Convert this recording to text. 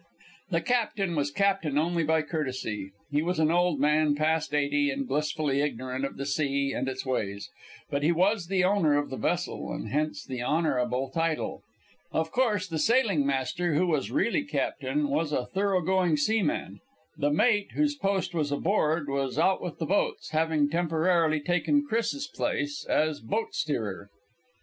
The captain was captain only by courtesy. He was an old man, past eighty, and blissfully ignorant of the sea and its ways; but he was the owner of the vessel, and hence the honorable title. Of course the sailing master, who was really captain, was a thorough going seaman. The mate, whose post was aboard, was out with the boats, having temporarily taken Chris's place as boat steerer.